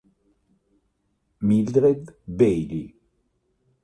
Mildred Bailey